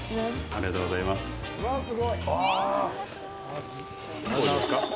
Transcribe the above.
ありがとうございます。